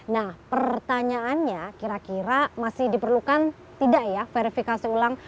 nah pertanyaannya kira kira masih diperlukan tidak ya verifikasi ulang